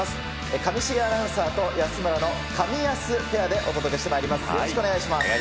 上重アナウンサーと安村の、かみやすペアでお届けしてまいりお願いします。